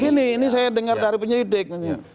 gini ini saya dengar dari penyidik